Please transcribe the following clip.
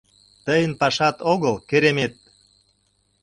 Тыйын пашат огыл, керемет!